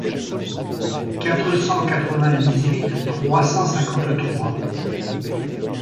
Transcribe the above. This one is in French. quatre cent quatre-vingt-dix-huit trois cent cinquante-trois.